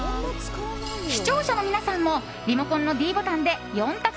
視聴者の皆さんもリモコンのｄボタンで４択